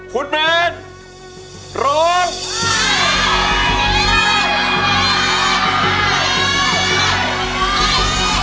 มูลค่า๔๐๐๐๐บาทนะครับ